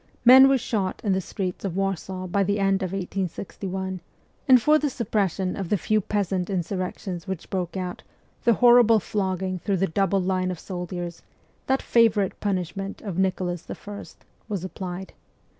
Men were shot in the streets of Warsaw by the end of 1861, and for the suppression of the few peasant insurrec tions which broke out the horrible flogging through the double line of soldiers that favourite punishment of Nicholas I. was applied.